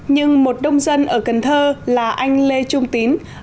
nhưng một nông dân ở cần thơ là anh lê trung tín